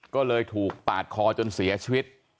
ก็เลยถูกปาดคอจนเสียชีวิต